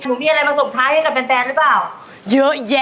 หนูมีอะไรมาส่งท้ายให้กับแฟนเลยเปล่า